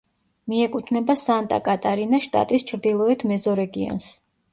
მიეკუთვნება სანტა-კატარინას შტატის ჩრდილოეთ მეზორეგიონს.